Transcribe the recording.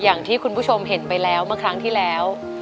อย่างที่คุณผู้ชมเห็นไปแล้วเมื่อครั้งที่แล้ว